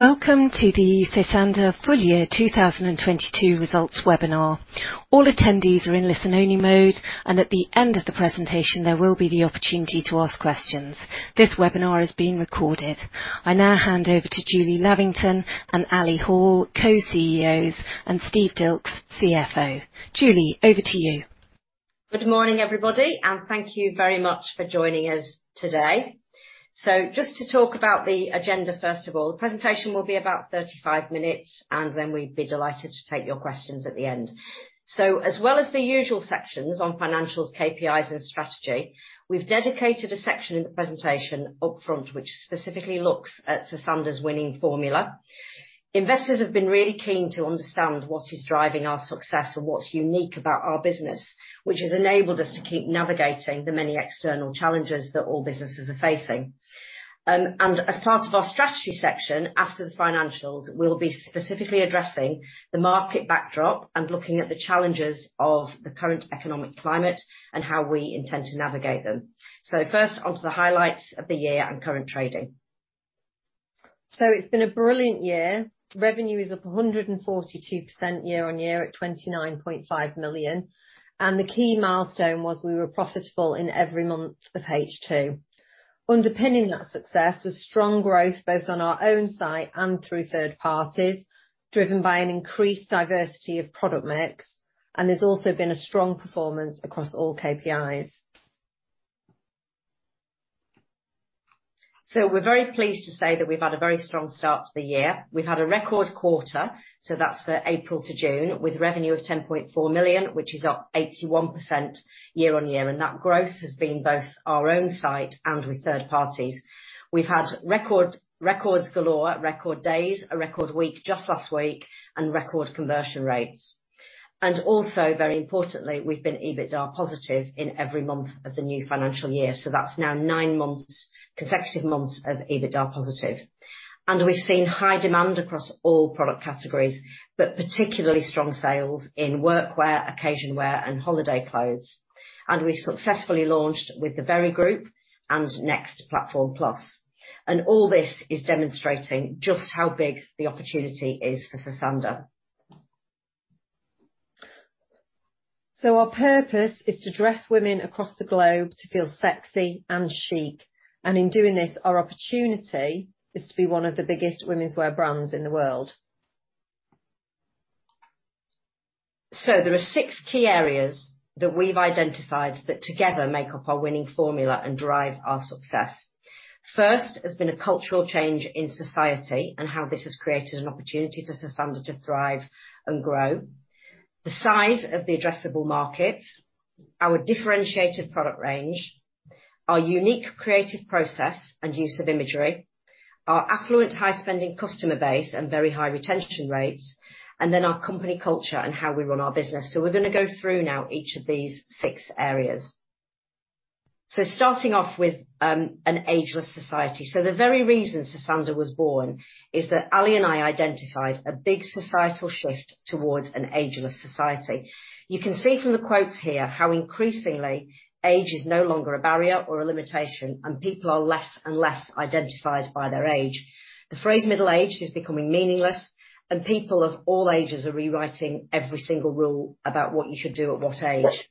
Welcome to the Sosandar full year 2022 results webinar. All attendees are in listen only mode, and at the end of the presentation, there will be the opportunity to ask questions. This webinar is being recorded. I now hand over to Julie Lavington and Alison Hall, Co-CEOs, and Steve Dilks, CFO. Julie, over to you. Good morning, everybody, and thank you very much for joining us today. Just to talk about the agenda, first of all. The presentation will be about 35 minutes, and then we'd be delighted to take your questions at the end. As well as the usual sections on financials, KPIs, and strategy, we've dedicated a section in the presentation up front, which specifically looks at Sosandar's winning formula. Investors have been really keen to understand what is driving our success and what's unique about our business, which has enabled us to keep navigating the many external challenges that all businesses are facing. As part of our strategy section, after the financials, we'll be specifically addressing the market backdrop and looking at the challenges of the current economic climate and how we intend to navigate them. First, onto the highlights of the year and current trading. It's been a brilliant year. Revenue is up 142% year-on-year at 29.5 million, and the key milestone was we were profitable in every month of H2. Underpinning that success was strong growth, both on our own site and through third parties, driven by an increased diversity of product mix, and there's also been a strong performance across all KPIs. We're very pleased to say that we've had a very strong start to the year. We've had a record quarter, so that's for April-June, with revenue of 10.4 million, which is up 81% year-over-year, and that growth has been both our own site and with third parties. We've had record, records galore, record days, a record week just last week, and record conversion rates. Also, very importantly, we've been EBITDA positive in every month of the new financial year. That's now nine months, consecutive months of EBITDA positive. We've seen high demand across all product categories, but particularly strong sales in work wear, occasion wear, and holiday clothes. We successfully launched with The Very Group and Next Platform Plus. All this is demonstrating just how big the opportunity is for Sosandar. Our purpose is to dress women across the globe to feel sexy and chic. In doing this, our opportunity is to be one of the biggest womenswear brands in the world. There are six key areas that we've identified that together make up our winning formula and drive our success. First has been a cultural change in society and how this has created an opportunity for Sosandar to thrive and grow, the size of the addressable market, our differentiated product range, our unique creative process and use of imagery, our affluent high-spending customer base and very high retention rates, and then our company culture and how we run our business. We're gonna go through now each of these six areas. Starting off with an ageless society. The very reason Sosandar was born is that Ali and I identified a big societal shift towards an ageless society. You can see from the quotes here how increasingly age is no longer a barrier or a limitation, and people are less and less identified by their age. The phrase middle-aged is becoming meaningless, and people of all ages are rewriting every single rule about what you should do at what age.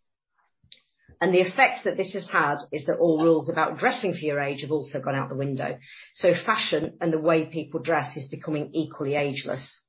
The effect that this has had is that all rules about dressing for your age have also gone out the window. Fashion and the way people dress is becoming equally ageless.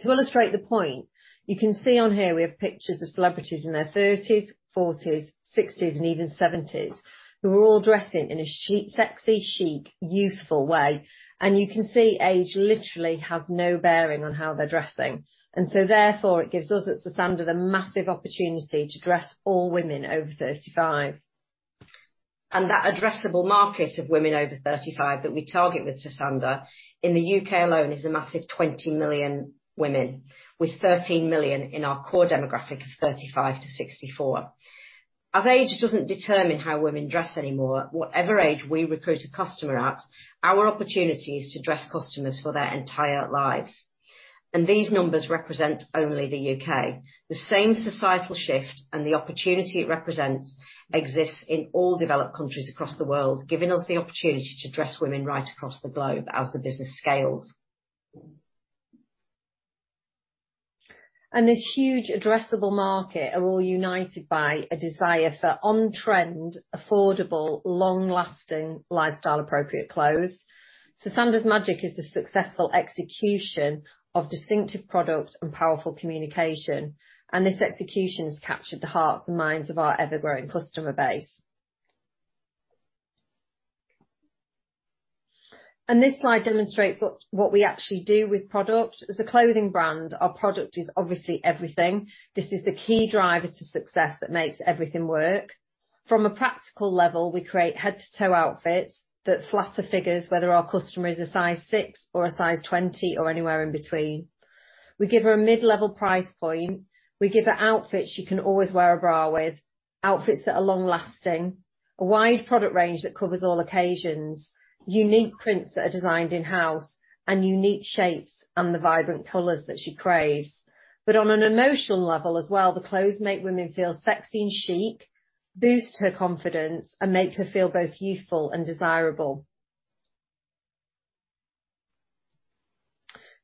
To illustrate the point, you can see on here we have pictures of celebrities in their thirties, forties, sixties and even seventies, who are all dressing in a chic, sexy chic, youthful way. You can see age literally has no bearing on how they're dressing. Therefore, it gives us at Sosandar the massive opportunity to dress all women over 35. That addressable market of women over 35 that we target with Sosandar in the UK alone is a massive 20 million women, with 13 million in our core demographic of 35-64. As age doesn't determine how women dress anymore, whatever age we recruit a customer at, our opportunity is to dress customers for their entire lives. These numbers represent only the UK. The same societal shift and the opportunity it represents exists in all developed countries across the world, giving us the opportunity to dress women right across the globe as the business scales. This huge addressable market are all united by a desire for on-trend, affordable, long-lasting, lifestyle appropriate clothes. Sosandar's magic is the successful execution of distinctive products and powerful communication, and this execution has captured the hearts and minds of our ever-growing customer base. This slide demonstrates what we actually do with product. As a clothing brand, our product is obviously everything. This is the key driver to success that makes everything work. From a practical level, we create head-to-toe outfits that flatter figures, whether our customer is a size six or a size 20 or anywhere in between. We give her a mid-level price point, we give her outfits she can always wear a bra with, outfits that are long lasting, a wide product range that covers all occasions, unique prints that are designed in-house, and unique shapes and the vibrant colors that she craves. On an emotional level as well, the clothes make women feel sexy and chic, boost her confidence, and make her feel both youthful and desirable.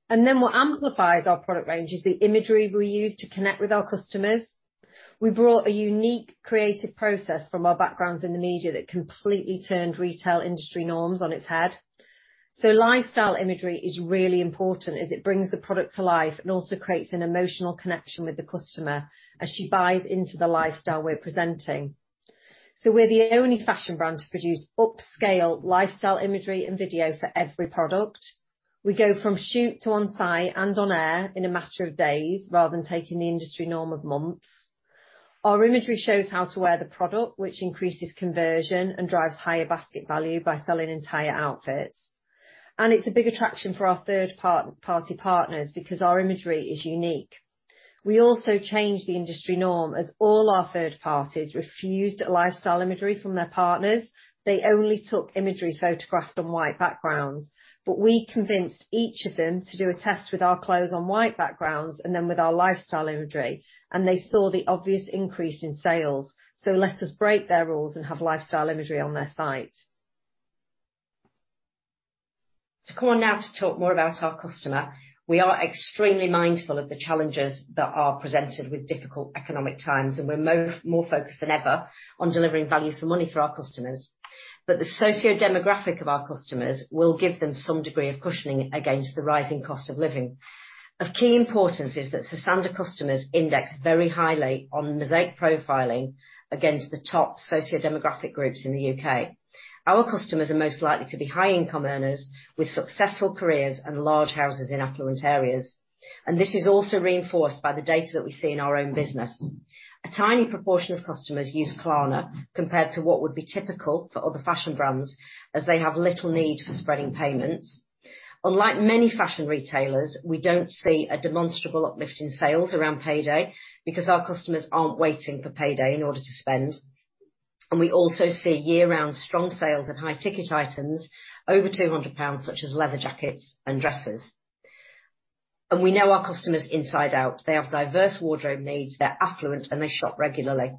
What amplifies our product range is the imagery we use to connect with our customers. We brought a unique creative process from our backgrounds in the media that completely turned retail industry norms on its head. Lifestyle imagery is really important as it brings the product to life and also creates an emotional connection with the customer as she buys into the lifestyle we're presenting. We're the only fashion brand to produce upscale lifestyle imagery and video for every product. We go from shoot to on site and on air in a matter of days, rather than taking the industry norm of months. Our imagery shows how to wear the product, which increases conversion and drives higher basket value by selling entire outfits. It's a big attraction for our third-party partners because our imagery is unique. We also changed the industry norm, as all our third parties refused lifestyle imagery from their partners. They only took imagery photographed on white backgrounds. We convinced each of them to do a test with our clothes on white backgrounds and then with our lifestyle imagery, and they saw the obvious increase in sales. Let us break their rules and have lifestyle imagery on their site. To come on now to talk more about our customer, we are extremely mindful of the challenges that are presented with difficult economic times, and we're more focused than ever on delivering value for money for our customers. The socio-demographic of our customers will give them some degree of cushioning against the rising cost of living. Of key importance is that Sosandar customers index very highly on Mosaic profiling against the top socio-demographic groups in the UK. Our customers are most likely to be high-income earners with successful careers and large houses in affluent areas. This is also reinforced by the data that we see in our own business. A tiny proportion of customers use Klarna compared to what would be typical for other fashion brands, as they have little need for spreading payments. Unlike many fashion retailers, we don't see a demonstrable uplift in sales around payday because our customers aren't waiting for payday in order to spend. We also see year-round strong sales in high-ticket items over 200 pounds, such as leather jackets and dresses. We know our customers inside out. They have diverse wardrobe needs, they're affluent, and they shop regularly.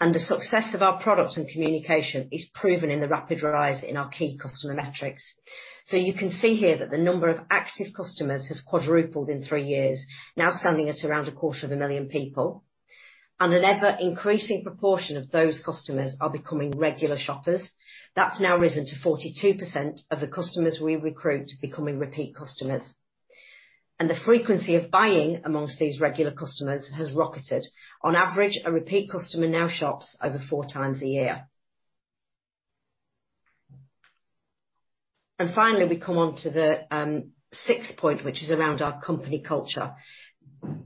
The success of our products and communication is proven in the rapid rise in our key customer metrics. You can see here that the number of active customers has quadrupled in three years, now standing at around a quarter of a million people. An ever increasing proportion of those customers are becoming regular shoppers. That's now risen to 42% of the customers we recruit becoming repeat customers. The frequency of buying among these regular customers has rocketed. On average, a repeat customer now shops over four times a year. Finally, we come on to the sixth point, which is around our company culture.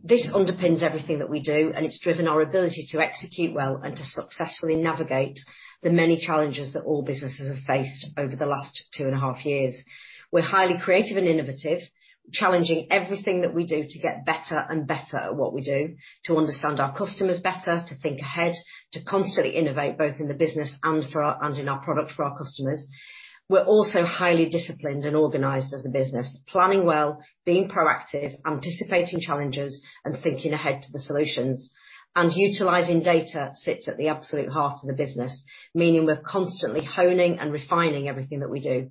This underpins everything that we do, and it's driven our ability to execute well and to successfully navigate the many challenges that all businesses have faced over the last two and a half years. We're highly creative and innovative, challenging everything that we do to get better and better at what we do, to understand our customers better, to think ahead, to constantly innovate, both in the business and in our product for our customers. We're also highly disciplined and organized as a business, planning well, being proactive, anticipating challenges, and thinking ahead to the solutions. Utilizing data sits at the absolute heart of the business, meaning we're constantly honing and refining everything that we do.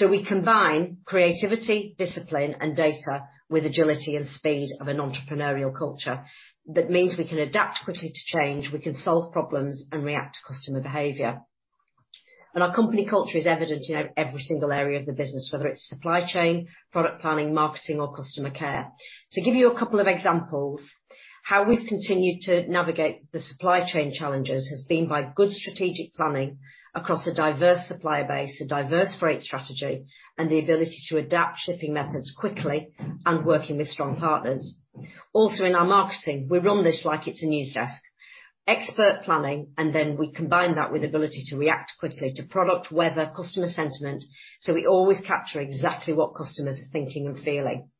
We combine creativity, discipline, and data with agility and speed of an entrepreneurial culture. That means we can adapt quickly to change, we can solve problems, and react to customer behavior. Our company culture is evident in every single area of the business, whether it's supply chain, product planning, marketing, or customer care. To give you a couple of examples, how we've continued to navigate the supply chain challenges has been by good strategic planning across a diverse supplier base, a diverse freight strategy, and the ability to adapt shipping methods quickly and working with strong partners. Also, in our marketing, we run this like it's a news desk. Expert planning, and then we combine that with ability to react quickly to product, weather, customer sentiment, so we always capture exactly what customers are thinking and feeling.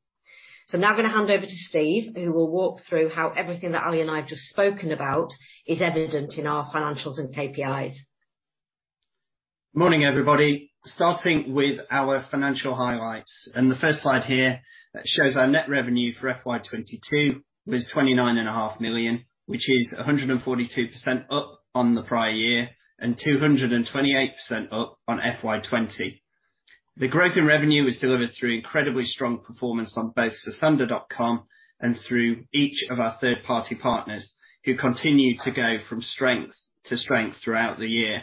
I'm now gonna hand over to Steve, who will walk through how everything that Ali and I have just spoken about is evident in our financials and KPIs. Morning, everybody. Starting with our financial highlights, the first slide here shows our net revenue for FY22 was 29.5 Million, which is 142% up on the prior year and 228% up on FY20. The growth in revenue was delivered through incredibly strong performance on both Sosandar.com and through each of our third-party partners who continued to go from strength to strength throughout the year.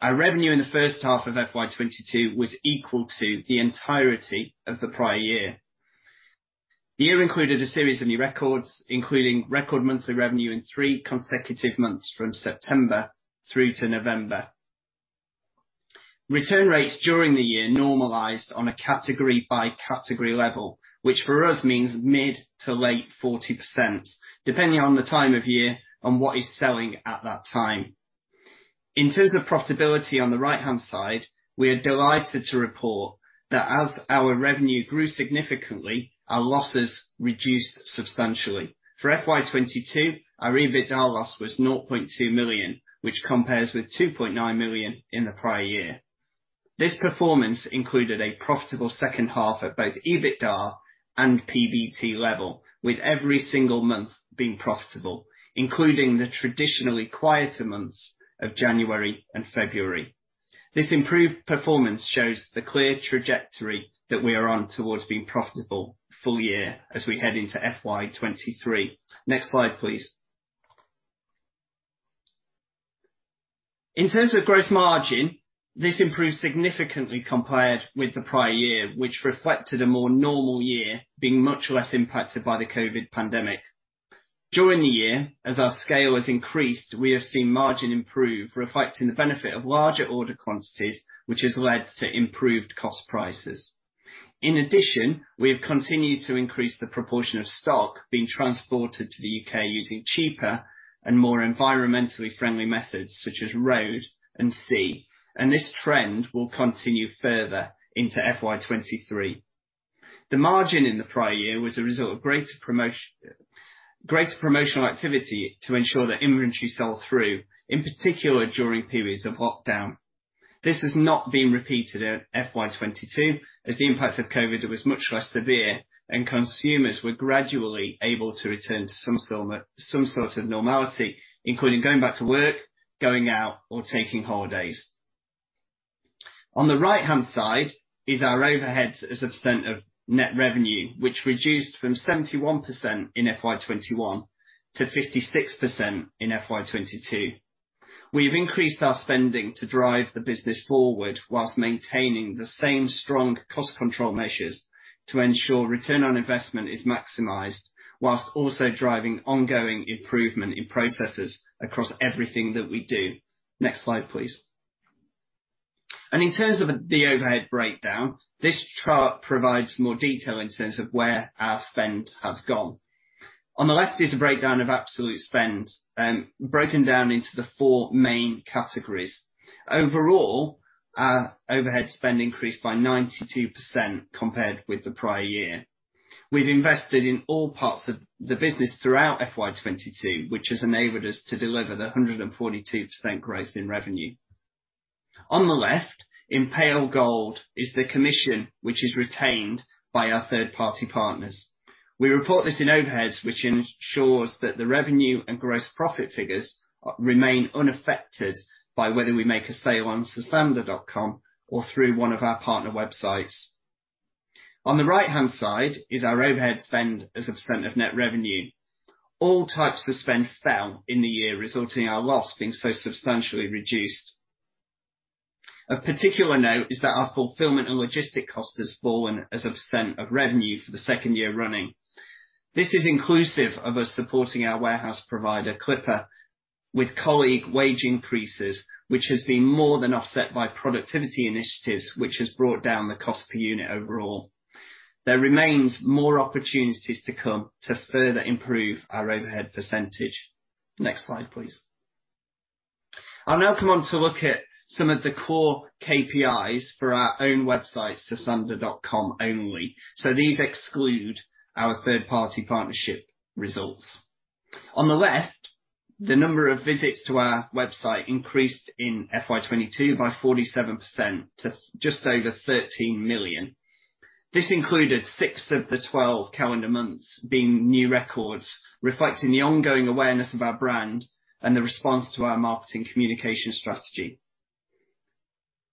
Our revenue in the first half of FY22 was equal to the entirety of the prior year. The year included a series of new records, including record monthly revenue in three consecutive months from September through to November. Return rates during the year normalized on a category by category level, which for us means mid- to late 40s%, depending on the time of year and what is selling at that time. In terms of profitability, on the right-hand side, we are delighted to report that as our revenue grew significantly, our losses reduced substantially. For FY22, our EBITDA loss was 0.2 million, which compares with 2.9 million in the prior year. This performance included a profitable second half at both EBITDA and PBT level, with every single month being profitable, including the traditionally quieter months of January and February. This improved performance shows the clear trajectory that we are on towards being profitable full year as we head into FY23. Next slide, please. In terms of gross margin, this improved significantly compared with the prior year, which reflected a more normal year being much less impacted by the COVID pandemic. During the year, as our scale has increased, we have seen margin improve, reflecting the benefit of larger order quantities, which has led to improved cost prices. In addition, we have continued to increase the proportion of stock being transported to the UK using cheaper and more environmentally friendly methods such as road and sea, and this trend will continue further into FY23. The margin in the prior year was a result of greater promotional activity to ensure that inventory sell through, in particular during periods of lockdown. This has not been repeated in FY22, as the impact of COVID was much less severe and consumers were gradually able to return to some sort of normality, including going back to work, going out or taking holidays. On the right-hand side is our overheads as a percent of net revenue, which reduced from 71% in FY21 to 56% in FY22. We've increased our spending to drive the business forward while maintaining the same strong cost control measures to ensure return on investment is maximized, while also driving ongoing improvement in processes across everything that we do. Next slide, please. In terms of the overhead breakdown, this chart provides more detail in terms of where our spend has gone. On the left is a breakdown of absolute spend, broken down into the four main categories. Overall, our overhead spend increased by 92% compared with the prior year. We've invested in all parts of the business throughout FY22, which has enabled us to deliver the 142% growth in revenue. On the left, in pale gold, is the commission which is retained by our third-party partners. We report this in overheads, which ensures that the revenue and gross profit figures remain unaffected by whether we make a sale on Sosandar.com or through one of our partner websites. On the right-hand side is our overhead spend as a percent of net revenue. All types of spend fell in the year, resulting in our loss being so substantially reduced. Of particular note is that our fulfillment and logistics cost has fallen as a percent of revenue for the second year running. This is inclusive of us supporting our warehouse provider, Clipper, with colleague wage increases, which has been more than offset by productivity initiatives, which has brought down the cost per unit overall. There remains more opportunities to come to further improve our overhead percentage. Next slide, please. I'll now come on to look at some of the core KPIs for our own website, Sosandar.com only. These exclude our third-party partnership results. On the left, the number of visits to our website increased in FY22 by 47% to just over 13 million. This included six of the 12 calendar months being new records, reflecting the ongoing awareness of our brand and the response to our marketing communication strategy.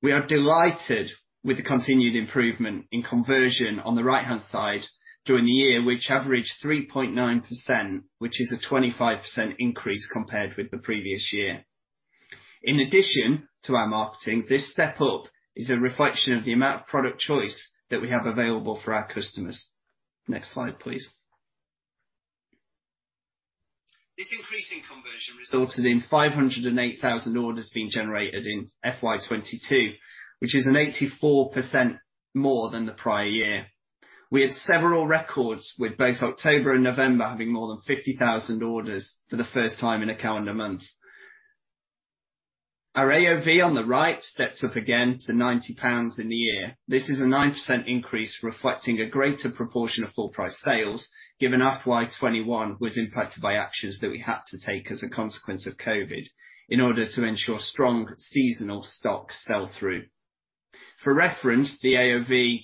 We are delighted with the continued improvement in conversion on the right-hand side during the year, which averaged 3.9%, which is a 25% increase compared with the previous year. In addition to our marketing, this step up is a reflection of the amount of product choice that we have available for our customers. Next slide, please. This increase in conversion resulted in 508,000 orders being generated in FY22, which is an 84% more than the prior year. We had several records with both October and November having more than 50,000 orders for the first time in a calendar month. Our AOV on the right stepped up again to 90 pounds in the year. This is a 9% increase, reflecting a greater proportion of full price sales given FY21 was impacted by actions that we had to take as a consequence of COVID in order to ensure strong seasonal stock sell through. For reference, the AOV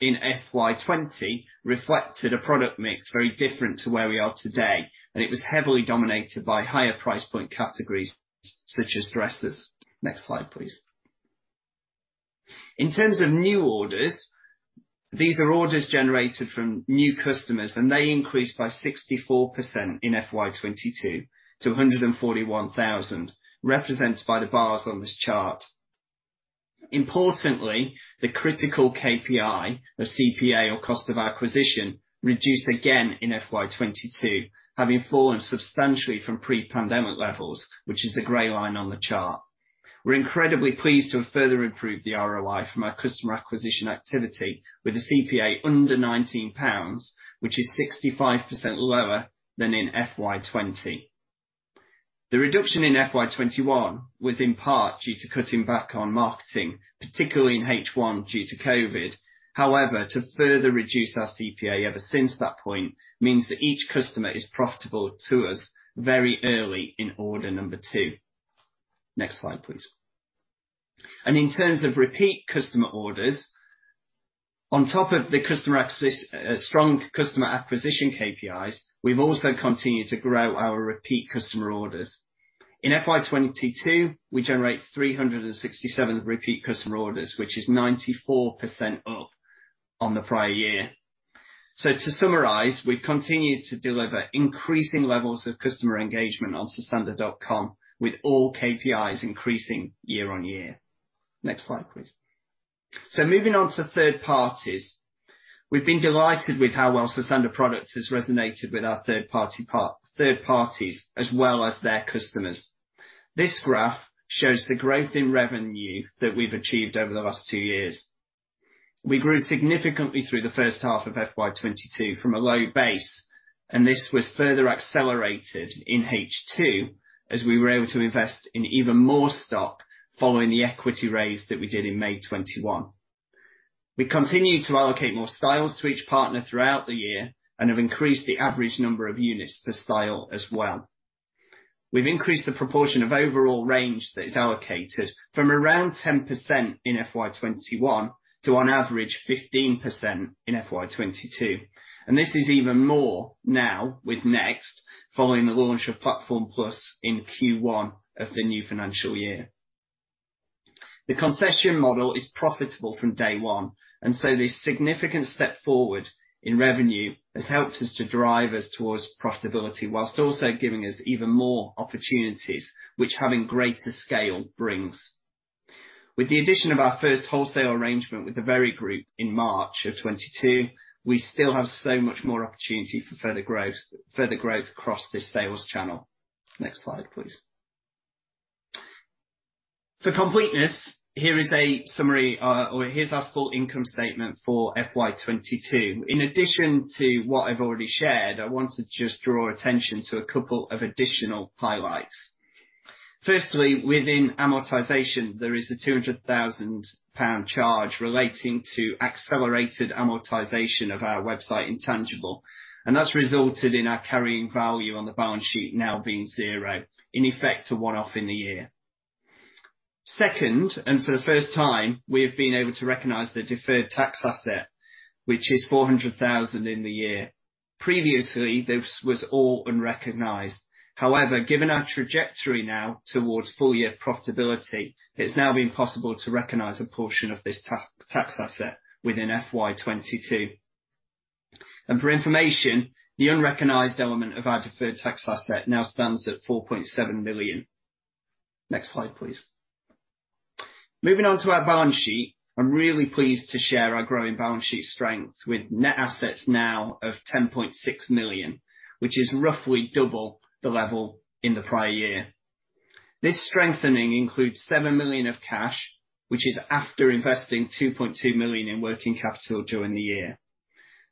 in FY20 reflected a product mix very different to where we are today, and it was heavily dominated by higher price point categories such as dresses. Next slide, please. In terms of new orders, these are orders generated from new customers, and they increased by 64% in FY22 to 141,000, represented by the bars on this chart. Importantly, the critical KPI of CPA or cost of acquisition reduced again in FY22, having fallen substantially from pre-pandemic levels, which is the gray line on the chart. We're incredibly pleased to have further improved the ROI from our customer acquisition activity with a CPA under 19 pounds, which is 65% lower than in FY20. The reduction in FY21 was in part due to cutting back on marketing, particularly in H1 due to COVID. However, to further reduce our CPA ever since that point means that each customer is profitable to us very early in order number two. Next slide, please. In terms of repeat customer orders, on top of strong customer acquisition KPIs, we've also continued to grow our repeat customer orders. In FY22, we generate 367 repeat customer orders, which is 94% up on the prior year. To summarize, we've continued to deliver increasing levels of customer engagement on Sosandar.com with all KPIs increasing year on year. Next slide, please. Moving on to third parties. We've been delighted with how well Sosandar product has resonated with our third parties as well as their customers. This graph shows the growth in revenue that we've achieved over the last two years. We grew significantly through the first half of FY22 from a low base, and this was further accelerated in H2 as we were able to invest in even more stock following the equity raise that we did in May 2021. We continued to allocate more styles to each partner throughout the year and have increased the average number of units per style as well. We've increased the proportion of overall range that is allocated from around 10% in FY21 to on average 15% in FY22. This is even more now with Next following the launch of Platform Plus in Q1 of the new financial year. The concession model is profitable from day one, and so this significant step forward in revenue has helped us to drive us towards profitability while also giving us even more opportunities which having greater scale brings. With the addition of our first wholesale arrangement with The Very Group in March of 2022, we still have so much more opportunity for further growth, further growth across this sales channel. Next slide, please. For completeness, here is a summary, or here's our full income statement for FY22. In addition to what I've already shared, I want to just draw attention to a couple of additional highlights. Firstly, within amortization, there is a 200 thousand pound charge relating to accelerated amortization of our website intangible, and that's resulted in our carrying value on the balance sheet now being zero, in effect a one-off in the year. Second, and for the first time, we have been able to recognize the deferred tax asset, which is 400 thousand in the year. Previously, this was all unrecognized. However, given our trajectory now towards full year profitability, it's now been possible to recognize a portion of this tax asset within FY22. For information, the unrecognized element of our deferred tax asset now stands at 4.7 million. Next slide, please. Moving on to our balance sheet. I'm really pleased to share our growing balance sheet strength with net assets now of 10.6 million, which is roughly double the level in the prior year. This strengthening includes 7 million of cash, which is after investing 2.2 million in working capital during the year.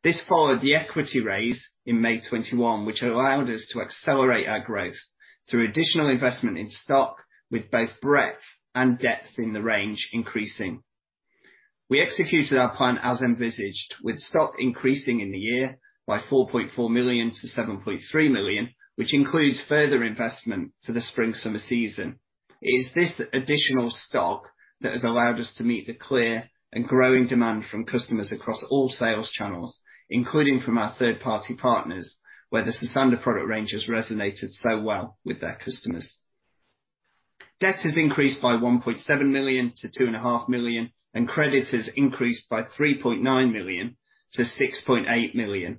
This followed the equity raise in May 2021, which allowed us to accelerate our growth through additional investment in stock with both breadth and depth in the range increasing. We executed our plan as envisaged with stock increasing in the year by 4.4 million to 7.3 million, which includes further investment for the spring/summer season. It is this additional stock that has allowed us to meet the clear and growing demand from customers across all sales channels, including from our third party partners, where the Sosandar product range has resonated so well with their customers. Debt has increased by 1.7 million-2.5 Million, and credit has increased by 3.9 million-6.8 million,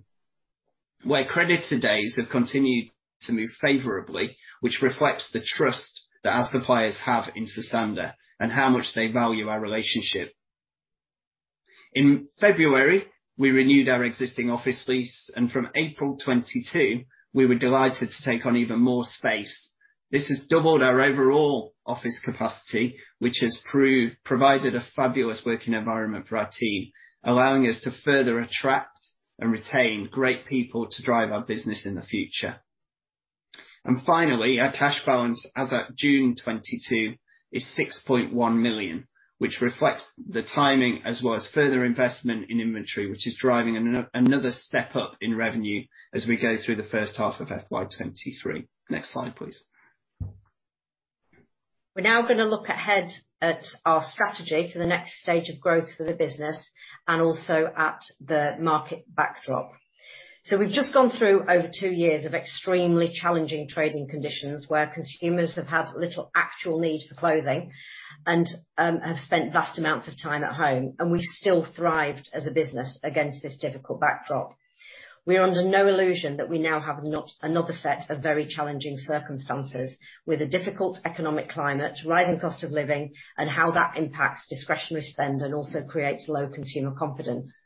where creditor days have continued to move favorably, which reflects the trust that our suppliers have in Sosandar and how much they value our relationship. In February, we renewed our existing office lease, and from April 2022, we were delighted to take on even more space. This has doubled our overall office capacity, which has provided a fabulous working environment for our team, allowing us to further attract and retain great people to drive our business in the future. Finally, our cash balance as at June 2022 is 6.1 million, which reflects the timing as well as further investment in inventory, which is driving another step up in revenue as we go through the first half of FY 2023. Next slide, please. We're now gonna look ahead at our strategy for the next stage of growth for the business, and also at the market backdrop. We've just gone through over two years of extremely challenging trading conditions, where consumers have had little actual need for clothing and, have spent vast amounts of time at home, and we still thrived as a business against this difficult backdrop. We're under no illusion that we now have another set of very challenging circumstances with a difficult economic climate, rising cost of living, and how that impacts discretionary spend and also creates low consumer confidence.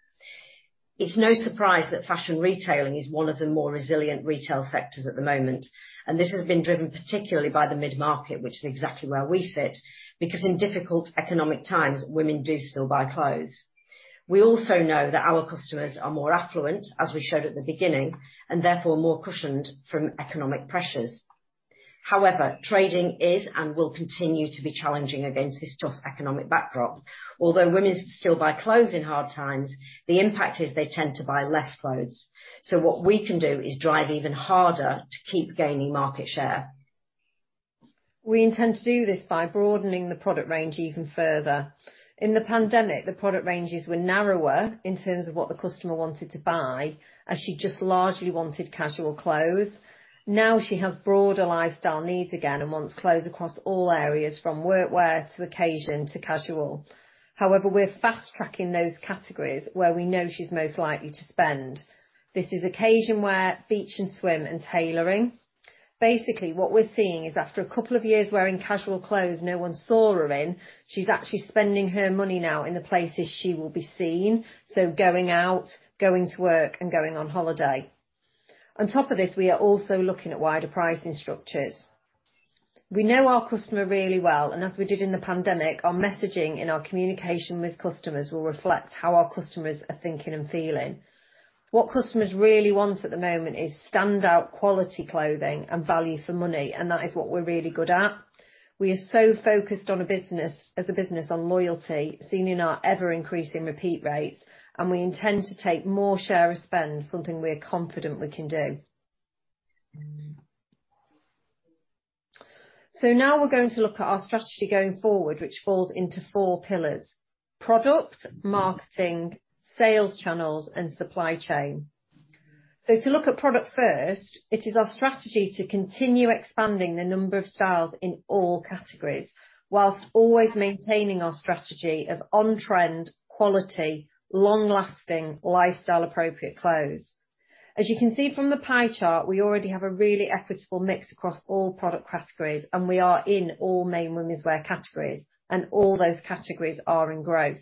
It's no surprise that fashion retailing is one of the more resilient retail sectors at the moment, and this has been driven particularly by the mid-market, which is exactly where we sit, because in difficult economic times, women do still buy clothes. We also know that our customers are more affluent, as we showed at the beginning, and therefore more cushioned from economic pressures. However, trading is and will continue to be challenging against this tough economic backdrop. Although women still buy clothes in hard times, the impact is they tend to buy less clothes. What we can do is drive even harder to keep gaining market share. We intend to do this by broadening the product range even further. In the pandemic, the product ranges were narrower in terms of what the customer wanted to buy, as she just largely wanted casual clothes. Now she has broader lifestyle needs again and wants clothes across all areas from work wear to occasion to casual. However, we're fast-tracking those categories where we know she's most likely to spend. This is occasion wear, beach and swim, and tailoring. Basically, what we're seeing is after a couple of years wearing casual clothes no one saw her in, she's actually spending her money now in the places she will be seen, so going out, going to work, and going on holiday. On top of this, we are also looking at wider pricing structures. We know our customer really well, and as we did in the pandemic, our messaging and our communication with customers will reflect how our customers are thinking and feeling. What customers really want at the moment is stand out quality clothing and value for money, and that is what we're really good at. We are so focused as a business on loyalty, seen in our ever-increasing repeat rates, and we intend to take more share of spend, something we're confident we can do. Now we're going to look at our strategy going forward, which falls into four pillars, product, marketing, sales channels, and supply chain. To look at product first, it is our strategy to continue expanding the number of styles in all categories while always maintaining our strategy of on-trend, quality, long-lasting, lifestyle appropriate clothes. As you can see from the pie chart, we already have a really equitable mix across all product categories, and we are in all main womenswear categories, and all those categories are in growth.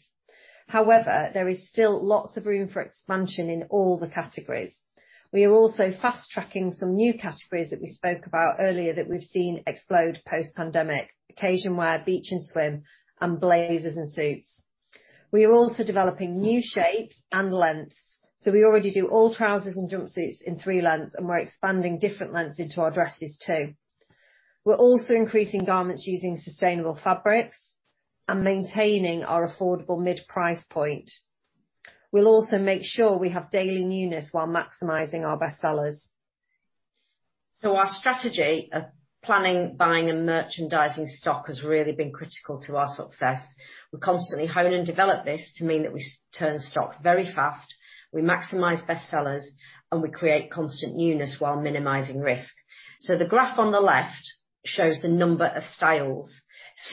However, there is still lots of room for expansion in all the categories. We are also fast-tracking some new categories that we spoke about earlier that we've seen explode post-pandemic, occasion wear, beach and swim, and blazers, and suits. We are also developing new shapes and lengths, so we already do all trousers and jumpsuits in three lengths, and we're expanding different lengths into our dresses too. We're also increasing garments using sustainable fabrics and maintaining our affordable mid-price point. We'll also make sure we have daily newness while maximizing our best sellers. Our strategy of planning, buying, and merchandising stock has really been critical to our success. We constantly hone and develop this to mean that we turn stock very fast, we maximize best sellers, and we create constant newness while minimizing risk. The graph on the left shows the number of styles.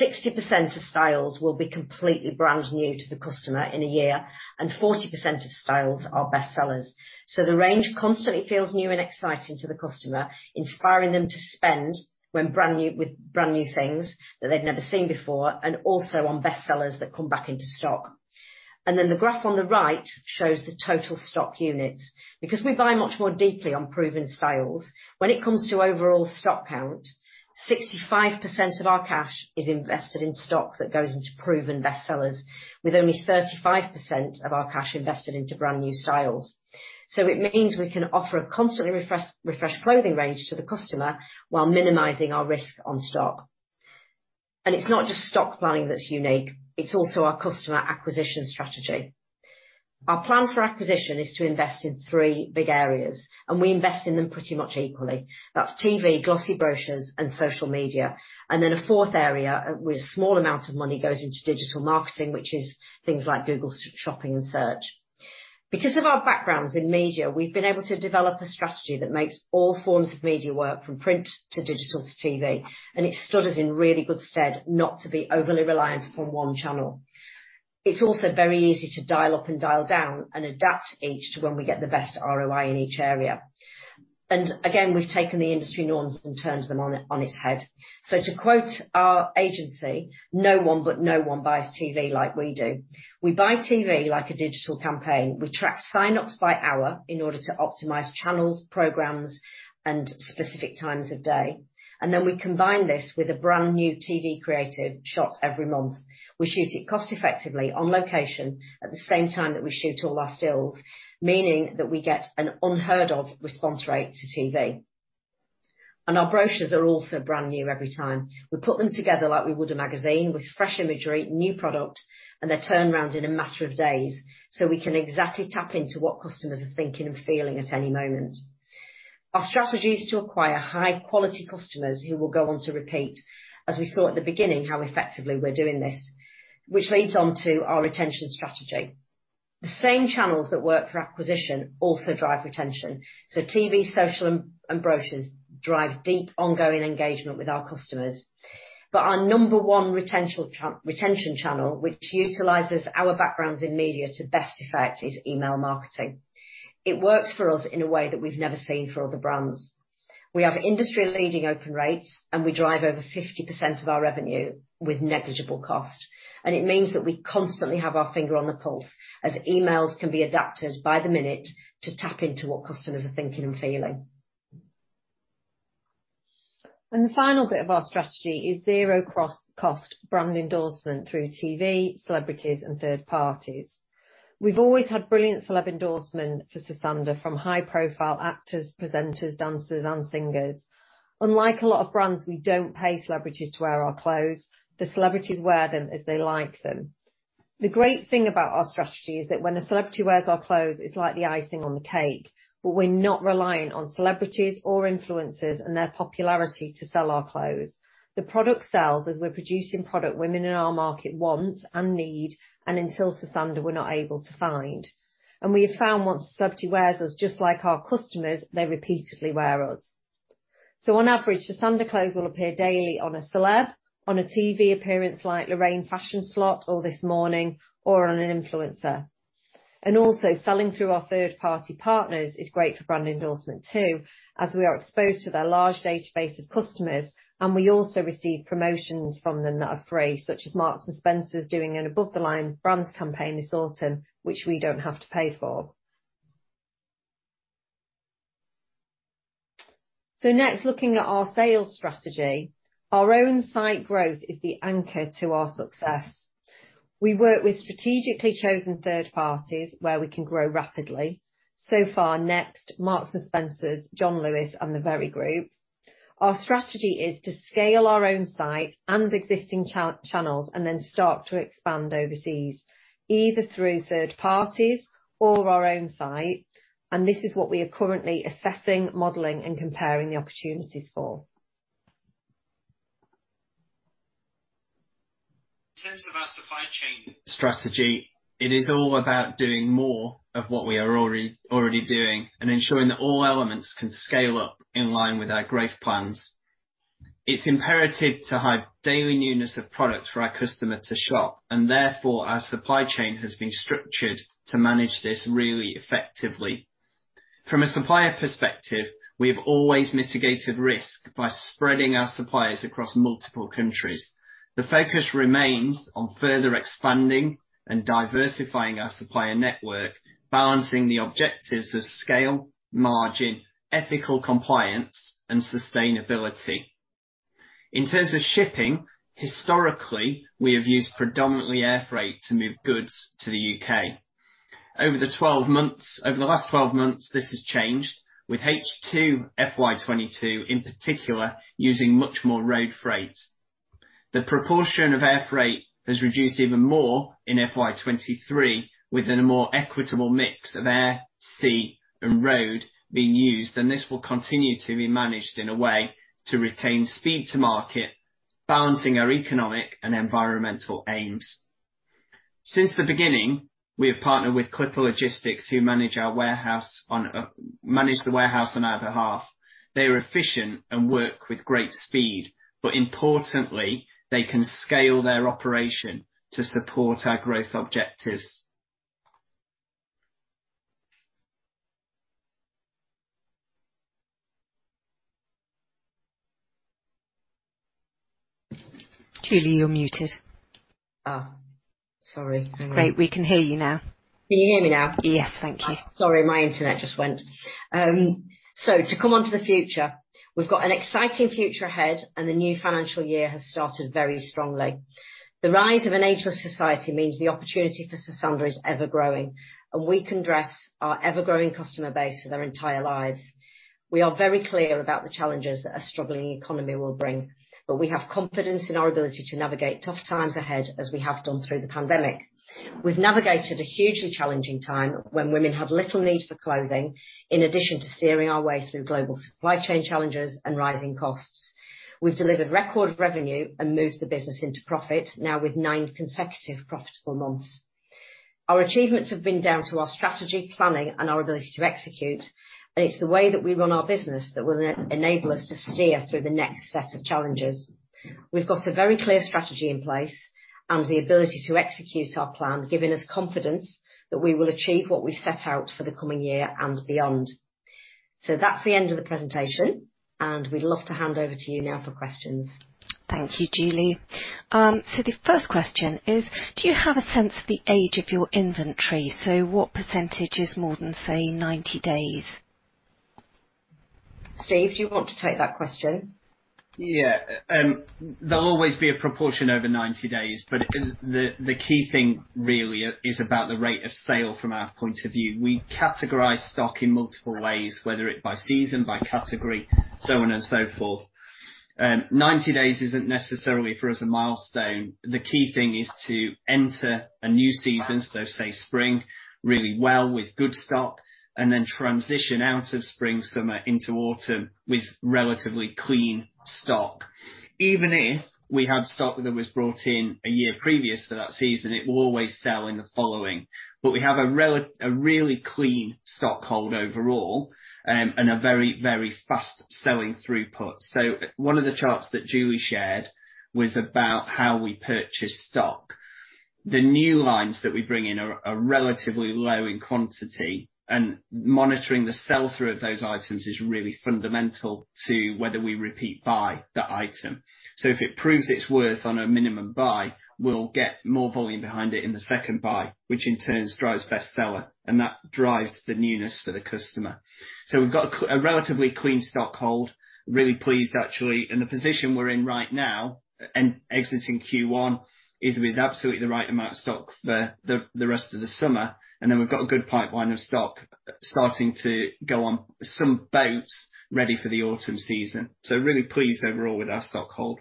60% of styles will be completely brand new to the customer in a year, and 40% of styles are best sellers. The range constantly feels new and exciting to the customer, inspiring them to spend when brand new, with brand new things that they've never seen before and also on best sellers that come back into stock. The graph on the right shows the total stock units. Because we buy much more deeply on proven styles, when it comes to overall stock count, 65% of our cash is invested in stock that goes into proven best sellers, with only 35% of our cash invested into brand new styles. It means we can offer a constantly refresh clothing range to the customer while minimizing our risk on stock. It's not just stock buying that's unique, it's also our customer acquisition strategy. Our plan for acquisition is to invest in three big areas, and we invest in them pretty much equally. That's TV, glossy brochures, and social media. Then a fourth area with small amounts of money goes into digital marketing, which is things like Google Shopping and search. Because of our backgrounds in media, we've been able to develop a strategy that makes all forms of media work from print to digital to TV, and it stood us in really good stead not to be overly reliant upon one channel. It's also very easy to dial up and dial down and adapt each to when we get the best ROI in each area. Again, we've taken the industry norms and turned them on its head. To quote our agency, "No one, but no one buys TV like we do." We buy TV like a digital campaign. We track sign-ups by hour in order to optimize channels, programs, and specific times of day. Then we combine this with a brand new TV creative shot every month. We shoot it cost-effectively on location at the same time that we shoot all our stills, meaning that we get an unheard of response rate to TV. Our brochures are also brand new every time. We put them together like we would a magazine with fresh imagery, new product, and they're turned round in a matter of days, so we can exactly tap into what customers are thinking and feeling at any moment. Our strategy is to acquire high quality customers who will go on to repeat, as we saw at the beginning, how effectively we're doing this, which leads on to our retention strategy. The same channels that work for acquisition also drive retention. TV, social, and brochures drive deep ongoing engagement with our customers. Our number one retention channel, which utilizes our backgrounds in media to best effect, is email marketing. It works for us in a way that we've never seen for other brands. We have industry-leading open rates, and we drive over 50% of our revenue with negligible cost. It means that we constantly have our finger on the pulse as emails can be adapted by the minute to tap into what customers are thinking and feeling. The final bit of our strategy is zero cost brand endorsement through TV, celebrities, and third parties. We've always had brilliant celeb endorsement for Sosandar from high-profile actors, presenters, dancers and singers. Unlike a lot of brands, we don't pay celebrities to wear our clothes. The celebrities wear them as they like them. The great thing about our strategy is that when a celebrity wears our clothes, it's like the icing on the cake, but we're not reliant on celebrities or influencers and their popularity to sell our clothes. The product sells as we're producing product women in our market want and need, and until Sosandar were not able to find. We have found once a celebrity wears us, just like our customers, they repeatedly wear us. On average, Sosandar clothes will appear daily on a celeb, on a TV appearance like Lorraine fashion slot or This Morning, or on an influencer. Also selling through our third-party partners is great for brand endorsement too, as we are exposed to their large database of customers, and we also receive promotions from them that are free, such as Marks & Spencer's doing an above the line brands campaign this autumn, which we don't have to pay for. Next, looking at our sales strategy. Our own site growth is the anchor to our success. We work with strategically chosen third parties where we can grow rapidly. So far, Next, Marks & Spencer, John Lewis, and The Very Group. Our strategy is to scale our own site and existing channels and then start to expand overseas, either through third parties or our own site, and this is what we are currently assessing, modeling, and comparing the opportunities for. In terms of our supply chain strategy, it is all about doing more of what we are already doing and ensuring that all elements can scale up in line with our growth plans. It's imperative to have daily newness of product for our customer to shop, and therefore, our supply chain has been structured to manage this really effectively. From a supplier perspective, we have always mitigated risk by spreading our suppliers across multiple countries. The focus remains on further expanding and diversifying our supplier network, balancing the objectives of scale, margin, ethical compliance, and sustainability. In terms of shipping, historically, we have used predominantly air freight to move goods to the UK. Over the last 12 months, this has changed, with H2 FY 2022, in particular, using much more road freight. The proportion of air freight has reduced even more in FY23, within a more equitable mix of air, sea, and road being used, and this will continue to be managed in a way to retain speed to market, balancing our economic and environmental aims. Since the beginning, we have partnered with Clipper Logistics, who manage the warehouse on our behalf. They are efficient and work with great speed, but importantly, they can scale their operation to support our growth objectives. Julie, you're muted. Oh, sorry. Hang on. Great. We can hear you now. Can you hear me now? Yes. Thank you. Sorry, my internet just went. To come on to the future, we've got an exciting future ahead, and the new financial year has started very strongly. The rise of an ageless society means the opportunity for Sosandar is ever-growing, and we can dress our ever-growing customer base for their entire lives. We are very clear about the challenges that a struggling economy will bring, but we have confidence in our ability to navigate tough times ahead as we have done through the pandemic. We've navigated a hugely challenging time when women had little need for clothing, in addition to steering our way through global supply chain challenges and rising costs. We've delivered record revenue and moved the business into profit, now with nine consecutive profitable months. Our achievements have been down to our strategy, planning, and our ability to execute, and it's the way that we run our business that will enable us to steer through the next set of challenges. We've got a very clear strategy in place and the ability to execute our plan, giving us confidence that we will achieve what we set out for the coming year and beyond. That's the end of the presentation, and we'd love to hand over to you now for questions. Thank you, Julie. The first question is, do you have a sense of the age of your inventory? What percentage is more than, say, 90 days? Steve, do you want to take that question? Yeah. There'll always be a proportion over 90 days, but the key thing really is about the rate of sale from our point of view. We categorize stock in multiple ways, whether it by season, by category, so on and so forth. 90 days isn't necessarily for us, a milestone. The key thing is to enter a new season, so say spring, really well with good stock and then transition out of spring/summer into autumn with relatively clean stock. Even if we had stock that was brought in a year previous to that season, it will always sell in the following. But we have a really clean stock hold overall, and a very, very fast selling throughput. One of the charts that Julie shared was about how we purchase stock. The new lines that we bring in are relatively low in quantity, and monitoring the sell-through of those items is really fundamental to whether we repeat buy that item. If it proves its worth on a minimum buy, we'll get more volume behind it in the second buy, which in turn drives bestseller, and that drives the newness for the customer. We've got a relatively clean stock hold. Really pleased, actually. In the position we're in right now, and exiting Q1, is with absolutely the right amount of stock for the rest of the summer, and then we've got a good pipeline of stock starting to go on some boats ready for the autumn season. Really pleased overall with our stock hold.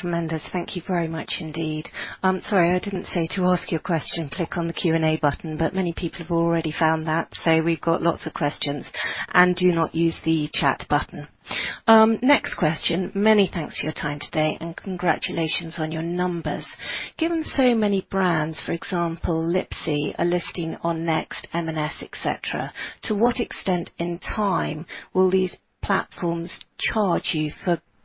Tremendous. Thank you very much indeed. Sorry, I didn't say to ask your question, click on the Q&A button, but many people have already found that. We've got lots of questions, and do not use the chat button. Next question. Many thanks for your time today and congratulations on your numbers. Given so many brands, for example, Lipsy, are listing on Next, M&S, et cetera, to what extent in time will these platforms charge you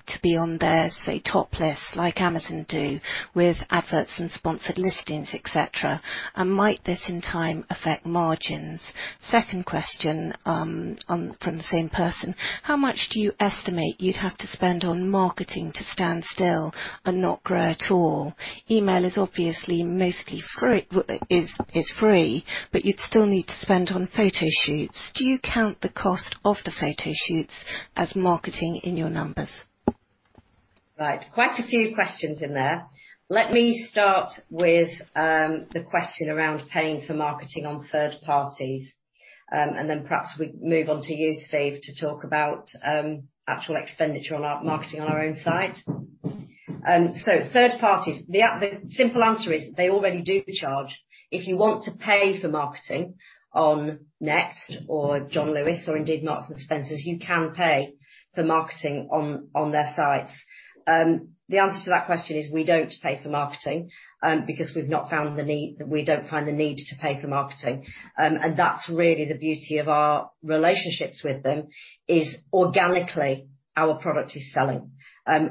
to be on their, say, top list like Amazon do with adverts and sponsored listings, et cetera? Might this in time affect margins? Second question, one from the same person. How much do you estimate you'd have to spend on marketing to stand still and not grow at all? Email is obviously mostly free, is free, but you'd still need to spend on photo shoots. Do you count the cost of the photo shoots as marketing in your numbers? Right. Quite a few questions in there. Let me start with the question around paying for marketing on third parties. Perhaps we move on to you, Steve, to talk about actual expenditure on our marketing on our own site. Third parties. The simple answer is they already do charge. If you want to pay for marketing on Next or John Lewis or indeed Marks & Spencer, you can pay for marketing on their sites. The answer to that question is we don't pay for marketing because we've not found the need. We don't find the need to pay for marketing. That's really the beauty of our relationships with them is organically our product is selling.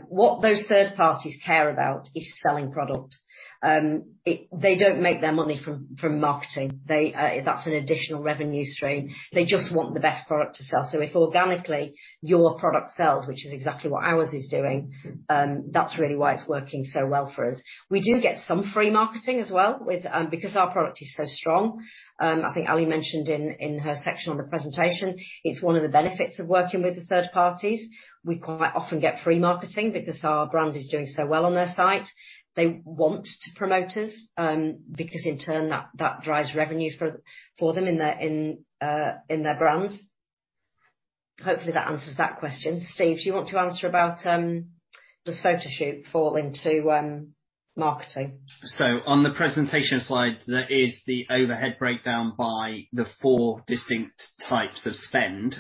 What those third parties care about is selling product. They don't make their money from marketing. They, that's an additional revenue stream. They just want the best product to sell. If organically your product sells, which is exactly what ours is doing, that's really why it's working so well for us. We do get some free marketing as well with because our product is so strong. I think Ali mentioned in her section on the presentation, it's one of the benefits of working with the third parties. We quite often get free marketing because our brand is doing so well on their site. They want to promote us because in turn, that drives revenue for them in their brand. Hopefully, that answers that question. Steve, do you want to answer about does photo shoot fall into marketing? On the presentation slide, there is the overhead breakdown by the four distinct types of spend.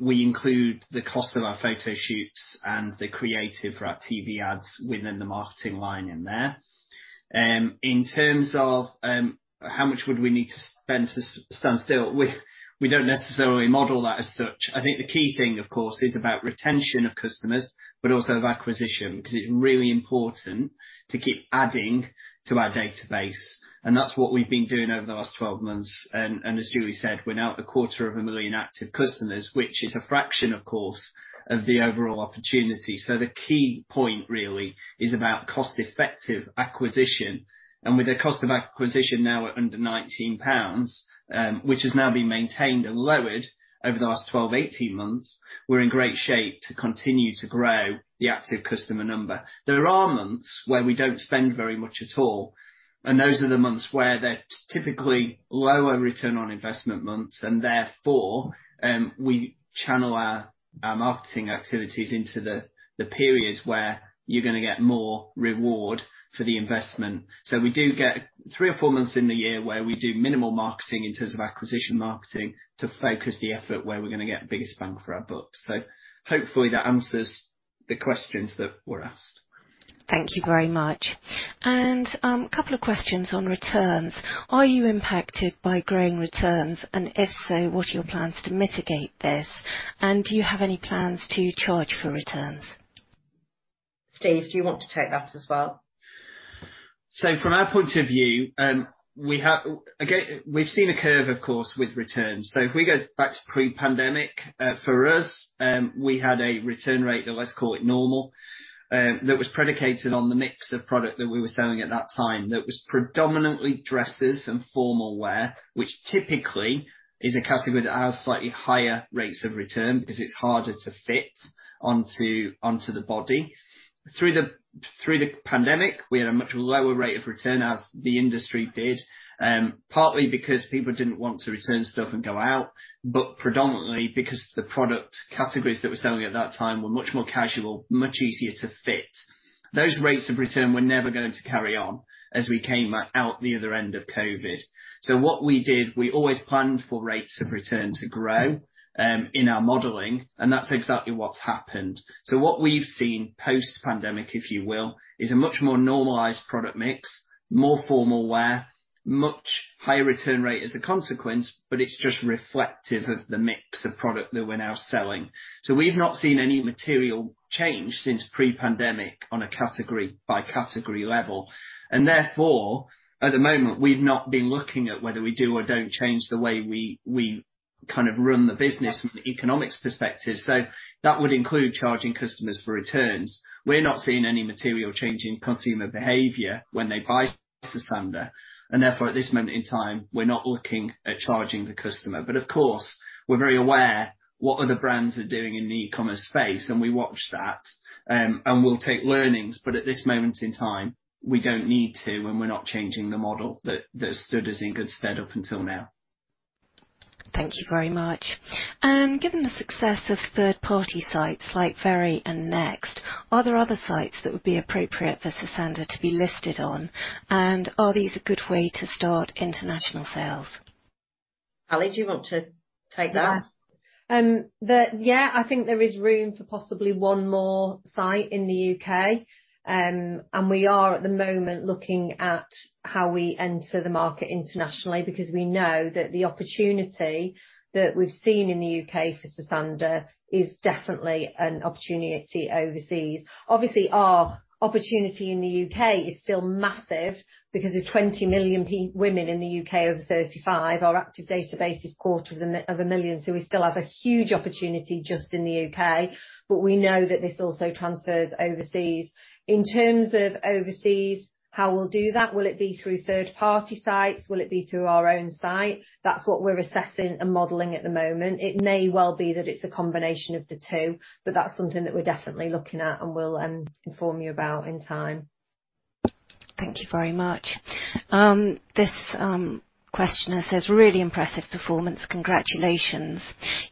We include the cost of our photo shoots and the creative for our TV ads within the marketing line in there. In terms of how much would we need to spend to stand still, we don't necessarily model that as such. I think the key thing, of course, is about retention of customers, but also of acquisition, because it's really important to keep adding to our database, and that's what we've been doing over the last 12 months. As Julie said, we're now at a quarter of a million active customers, which is a fraction, of course, of the overall opportunity. The key point really is about cost effective acquisition. With the cost of acquisition now at under 19 pounds, which has now been maintained and lowered over the last 12, 18 months, we're in great shape to continue to grow the active customer number. There are months where we don't spend very much at all, and those are the months where they're typically lower return on investment months, and therefore, we channel our marketing activities into the periods where you're gonna get more reward for the investment. We do get three or four months in the year where we do minimal marketing in terms of acquisition marketing to focus the effort where we're gonna get biggest bang for our buck. Hopefully that answers the questions that were asked. Thank you very much. Couple of questions on returns. Are you impacted by growing returns? If so, what are your plans to mitigate this? Do you have any plans to charge for returns? Steve, do you want to take that as well? From our point of view, we have, again, we've seen a curve, of course, with returns. If we go back to pre-pandemic, for us, we had a return rate, let's call it normal, that was predicated on the mix of product that we were selling at that time. That was predominantly dresses and formal wear, which typically is a category that has slightly higher rates of return because it's harder to fit onto the body. Through the pandemic, we had a much lower rate of return as the industry did, partly because people didn't want to return stuff and go out, but predominantly because the product categories that we're selling at that time were much more casual, much easier to fit. Those rates of return were never going to carry on as we came out the other end of COVID. What we did, we always planned for rates of return to grow in our modeling, and that's exactly what's happened. What we've seen post-pandemic, if you will, is a much more normalized product mix, more formal wear, much higher return rate as a consequence, but it's just reflective of the mix of product that we're now selling. We've not seen any material change since pre-pandemic on a category by category level. Therefore, at the moment, we've not been looking at whether we do or don't change the way we kind of run the business from an economics perspective. That would include charging customers for returns. We're not seeing any material change in consumer behavior when they buy from Sosandar, and therefore, at this moment in time, we're not looking at charging the customer. Of course, we're very aware what other brands are doing in the e-commerce space, and we watch that, and we'll take learnings, but at this moment in time, we don't need to, and we're not changing the model that stood us in good stead up until now. Thank you very much. Given the success of third party sites like Very and Next, are there other sites that would be appropriate for Sosandar to be listed on? Are these a good way to start international sales? Ali, do you want to take that? I think there is room for possibly one more site in the UK. We are at the moment looking at how we enter the market internationally, because we know that the opportunity that we've seen in the UK for Sosandar is definitely an opportunity overseas. Obviously, our opportunity in the UK is still massive because there's 20 million women in the UK over thirty-five. Our active database is quarter of a million, so we still have a huge opportunity just in the UK. We know that this also transfers overseas. In terms of overseas, how we'll do that, will it be through third party sites? Will it be through our own site? That's what we're assessing and modeling at the moment. It may well be that it's a combination of the two, but that's something that we're definitely looking at and will inform you about in time. Thank you very much. This questioner says, really impressive performance, congratulations.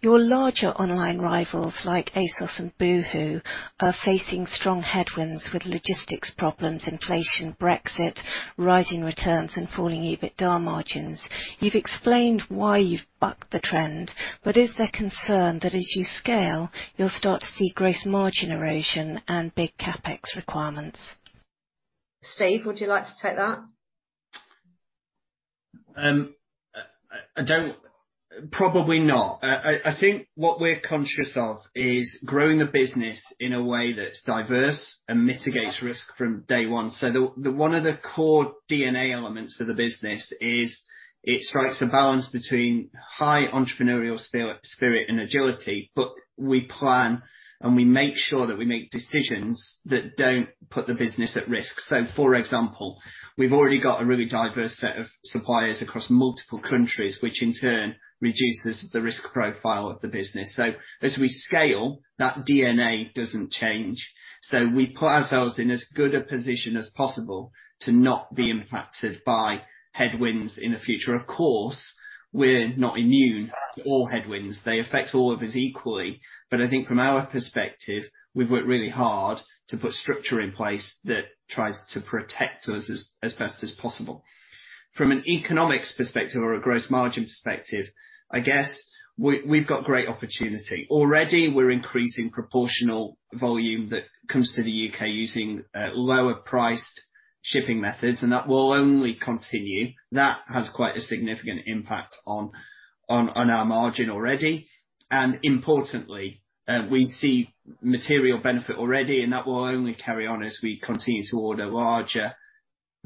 Your larger online rivals like ASOS and Boohoo are facing strong headwinds with logistics problems, inflation, Brexit, rising returns and falling EBITDA margins. You've explained why you've bucked the trend, but is there concern that as you scale, you'll start to see gross margin erosion and big CapEx requirements? Steve, would you like to take that? Probably not. I think what we're conscious of is growing the business in a way that's diverse and mitigates risk from day one. One of the core DNA elements of the business is it strikes a balance between high entrepreneurial spirit and agility. We plan, and we make sure that we make decisions that don't put the business at risk. For example, we've already got a really diverse set of suppliers across multiple countries, which in turn reduces the risk profile of the business. As we scale, that DNA doesn't change. We put ourselves in as good a position as possible to not be impacted by headwinds in the future. Of course, we're not immune to all headwinds. They affect all of us equally. I think from our perspective, we've worked really hard to put structure in place that tries to protect us as best as possible. From an economics perspective or a gross margin perspective, I guess we've got great opportunity. Already, we're increasing proportional volume that comes to the UK using lower priced shipping methods, and that will only continue. That has quite a significant impact on our margin already. Importantly, we see material benefit already, and that will only carry on as we continue to order larger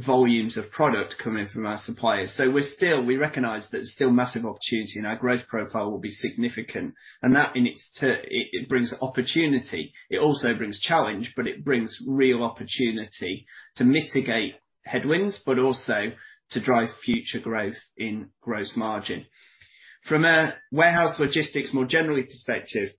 volumes of product coming from our suppliers. We're still. We recognize there's still massive opportunity, and our growth profile will be significant. That it brings opportunity. It also brings challenge, but it brings real opportunity to mitigate headwinds, but also to drive future growth in gross margin. From a warehouse logistics, more generally perspective,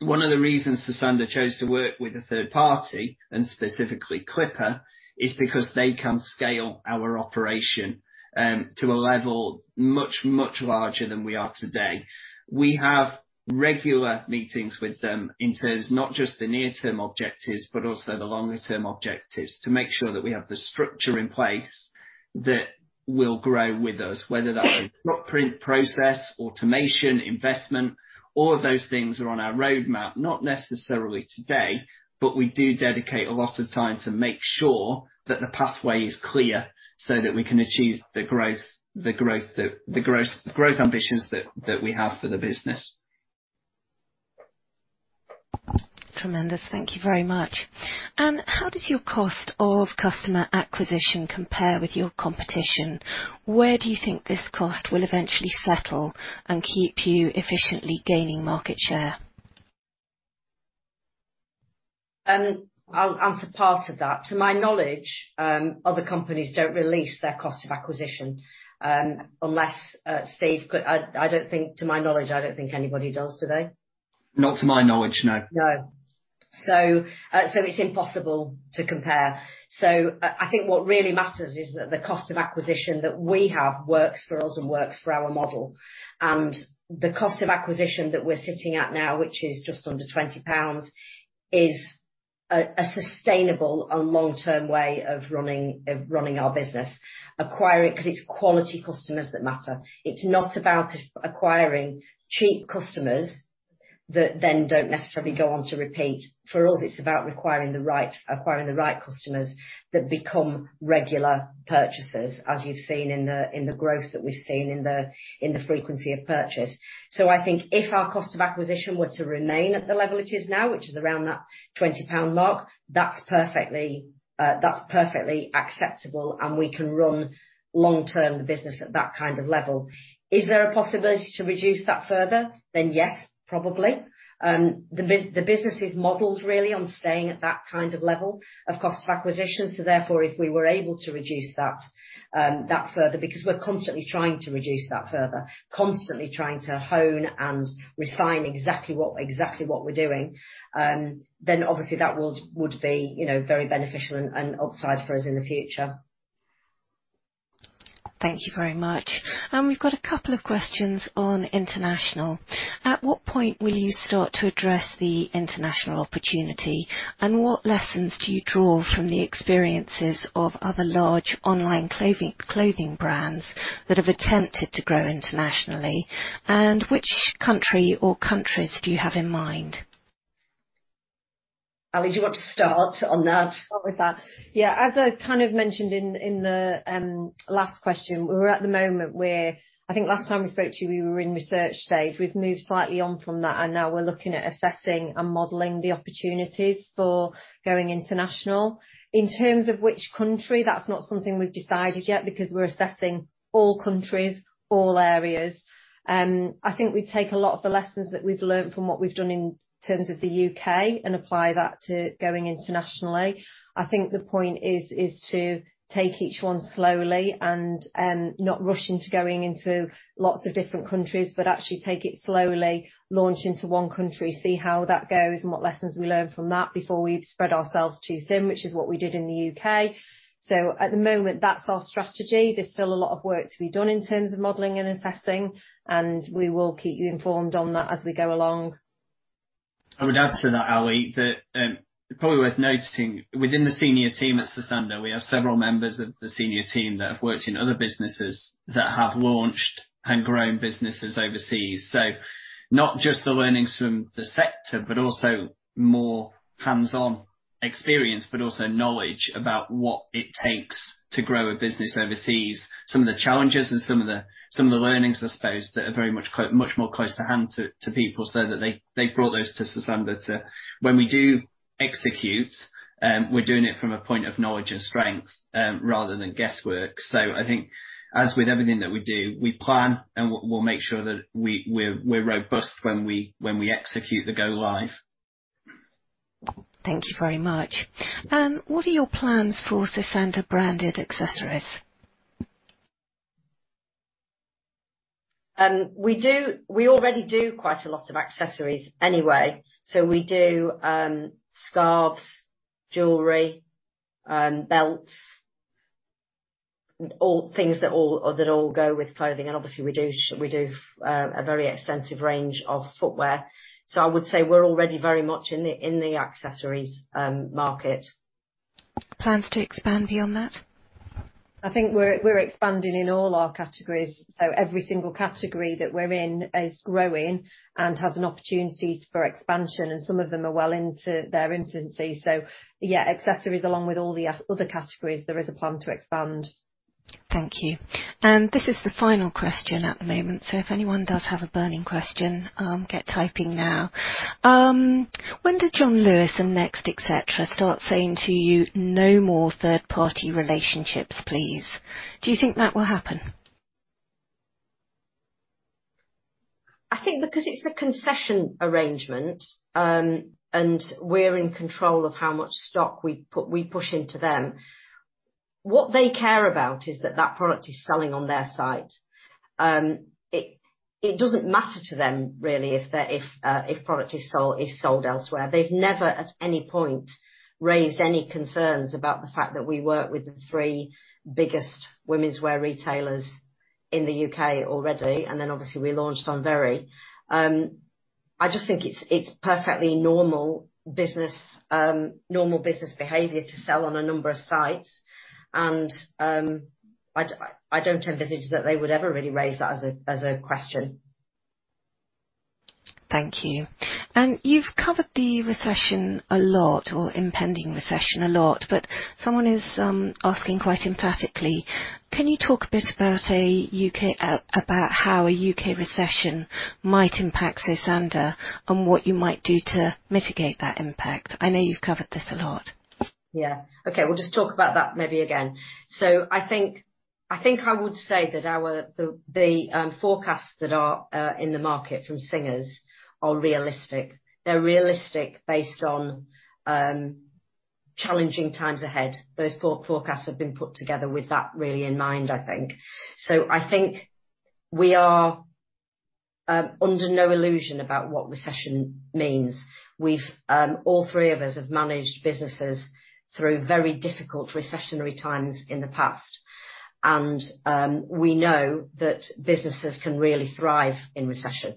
one of the reasons Sosandar chose to work with a third party, and specifically Clipper Logistics, is because they can scale our operation to a level much, much larger than we are today. We have regular meetings with them in terms of not just the near-term objectives, but also the longer term objectives, to make sure that we have the structure in place that will grow with us, whether that be footprint, process, automation, investment. All of those things are on our roadmap, not necessarily today, but we do dedicate a lot of time to make sure that the pathway is clear so that we can achieve the growth ambitions that we have for the business. Tremendous. Thank you very much. How does your cost of customer acquisition compare with your competition? Where do you think this cost will eventually settle and keep you efficiently gaining market share? I'll answer part of that. To my knowledge, other companies don't release their cost of acquisition, unless, Steve. I don't think, to my knowledge, I don't think anybody does, do they? Not to my knowledge, no. No. It's impossible to compare. I think what really matters is that the cost of acquisition that we have works for us and works for our model. The cost of acquisition that we're sitting at now, which is just under 20 pounds, is a sustainable and long-term way of running our business. 'Cause it's quality customers that matter. It's not about acquiring cheap customers that then don't necessarily go on to repeat. For us, it's about acquiring the right customers that become regular purchasers, as you've seen in the growth that we've seen in the frequency of purchase. I think if our cost of acquisition were to remain at the level it is now, which is around that 20 pound mark, that's perfectly acceptable, and we can run long-term business at that kind of level. Is there a possibility to reduce that further? Yes, probably. The business is modeled really on staying at that kind of level of cost of acquisition. Therefore, if we were able to reduce that further because we're constantly trying to reduce that further, constantly trying to hone and refine exactly what we're doing, then obviously that would be, you know, very beneficial and upside for us in the future. Thank you very much. We've got a couple of questions on international. At what point will you start to address the international opportunity? What lessons do you draw from the experiences of other large online clothing brands that have attempted to grow internationally? Which country or countries do you have in mind? Ali, do you want to start on that? Start with that. Yeah. As I kind of mentioned in the last question, we're at the moment where I think last time we spoke to you, we were in research stage. We've moved slightly on from that, and now we're looking at assessing and modeling the opportunities for going international. In terms of which country, that's not something we've decided yet because we're assessing all countries, all areas. I think we take a lot of the lessons that we've learned from what we've done in terms of the UK and apply that to going internationally. I think the point is to take each one slowly and not rush into going into lots of different countries, but actually take it slowly, launch into one country, see how that goes and what lessons we learn from that before we spread ourselves too thin, which is what we did in the UK. At the moment, that's our strategy. There's still a lot of work to be done in terms of modeling and assessing, and we will keep you informed on that as we go along. I would add to that, Ali, that, probably worth noting, within the senior team at Sosandar, we have several members of the senior team that have worked in other businesses that have launched and grown businesses overseas. Not just the learnings from the sector, but also more hands-on experience, but also knowledge about what it takes to grow a business overseas, some of the challenges and some of the learnings, I suppose, that are very much closer to hand to people so that they brought those to Sosandar. When we do execute, we're doing it from a point of knowledge and strength, rather than guesswork. I think as with everything that we do, we plan, and we'll make sure that we're robust when we execute the go live. Thank you very much. What are your plans for sass and branded accessories? We already do quite a lot of accessories anyway. We do scarves, jewelry, belts, all things that go with clothing. Obviously, we do a very extensive range of footwear. I would say we're already very much in the accessories market. Plans to expand beyond that? I think we're expanding in all our categories. Every single category that we're in is growing and has an opportunity for expansion, and some of them are well into their infancy. Yeah, accessories, along with all the other categories, there is a plan to expand. Thank you. This is the final question at the moment. If anyone does have a burning question, get typing now. When did John Lewis and Next, et cetera, start saying to you, "No more third-party relationships, please"? Do you think that will happen? I think because it's a concession arrangement, and we're in control of how much stock we push into them, what they care about is that that product is selling on their site. It doesn't matter to them really if the product is sold elsewhere. They've never, at any point, raised any concerns about the fact that we work with the three biggest womenswear retailers in the U.K. already. Obviously, we launched on Very. I just think it's perfectly normal business behavior to sell on a number of sites. I don't envisage that they would ever really raise that as a question. Thank you. You've covered the recession a lot, or impending recession a lot, but someone is asking quite emphatically, can you talk a bit about how a U.K. recession might impact Sosandar and what you might do to mitigate that impact? I know you've covered this a lot. Yeah. Okay. We'll just talk about that maybe again. I think I would say that our forecasts that are in the market from Singers are realistic. They're realistic based on challenging times ahead. Those forecasts have been put together with that really in mind, I think. I think we are under no illusion about what recession means. We've all three of us have managed businesses through very difficult recessionary times in the past. We know that businesses can really thrive in recession.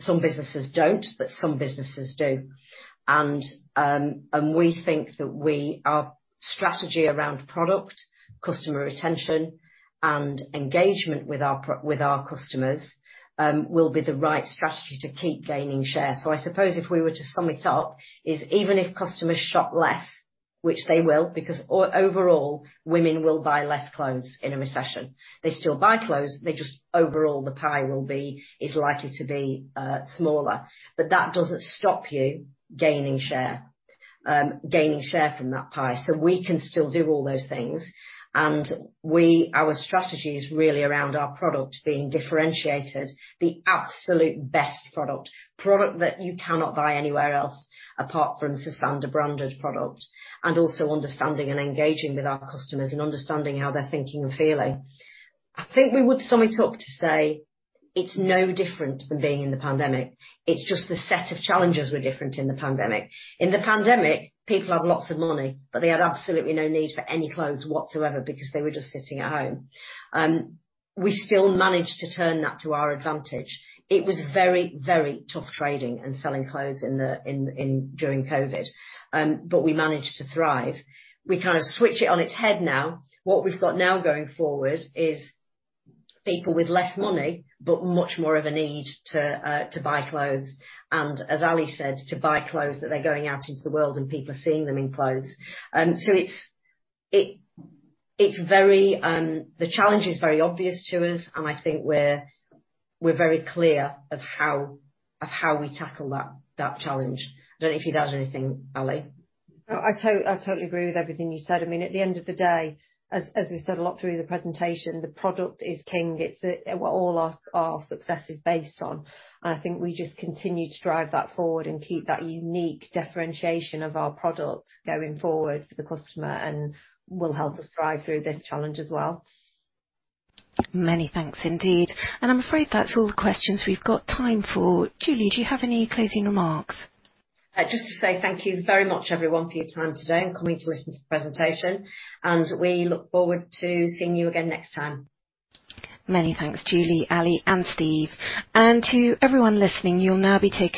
Some businesses don't, but some businesses do. We think that our strategy around product, customer retention, and engagement with our customers will be the right strategy to keep gaining share. I suppose if we were to sum it up, is even if customers shop less, which they will, because overall, women will buy less clothes in a recession. They still buy clothes. They just overall, the pie is likely to be smaller. But that doesn't stop you gaining share from that pie. We can still do all those things. Our strategy is really around our product being differentiated, the absolute best product that you cannot buy anywhere else apart from Sosandar branded product. Also understanding and engaging with our customers and understanding how they're thinking and feeling. I think we would sum it up to say it's no different than being in the pandemic. It's just the set of challenges were different in the pandemic. In the pandemic, people had lots of money, but they had absolutely no need for any clothes whatsoever because they were just sitting at home. We still managed to turn that to our advantage. It was very tough trading and selling clothes during COVID. We managed to thrive. We kind of switch it on its head now. What we've got now going forward is people with less money, but much more of a need to buy clothes, and as Ali said, to buy clothes that they're going out into the world and people are seeing them in clothes. The challenge is very obvious to us, and I think we're very clear of how we tackle that challenge. I don't know if you'd add anything, Ali. No, I totally agree with everything you said. I mean, at the end of the day, as we said a lot through the presentation, the product is king. It's what all our success is based on. I think we just continue to drive that forward and keep that unique differentiation of our product going forward for the customer and will help us thrive through this challenge as well. Many thanks indeed. I'm afraid that's all the questions we've got time for. Julie, do you have any closing remarks? Just to say thank you very much everyone for your time today and coming to listen to the presentation, and we look forward to seeing you again next time. Many thanks, Julie, Ali, and Steve. To everyone listening, you'll now be taken